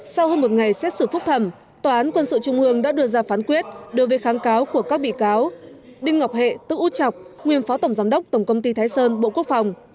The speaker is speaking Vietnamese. sau hơn một ngày xét xử phúc thẩm tòa án quân sự trung ương đã đưa ra phán quyết đối với kháng cáo của các bị cáo đinh ngọc hệ tức út chọc nguyên phó tổng giám đốc tổng công ty thái sơn bộ quốc phòng